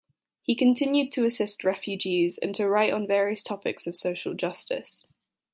He continued to assist refugees and to write on various topics of social justice.